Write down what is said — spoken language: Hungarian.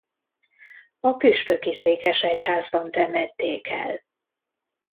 A püspöki székesegyházban temették el.